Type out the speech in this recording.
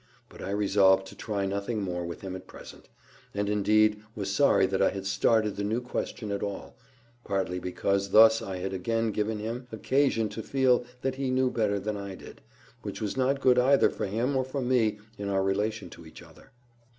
But I resolved to try nothing more with him at present; and indeed was sorry that I had started the new question at all, partly because thus I had again given him occasion to feel that he knew better than I did, which was not good either for him or for me in our relation to each other.